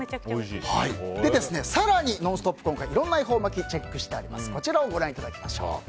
更に「ノンストップ！」はいろいろな恵方巻きをチェックしています。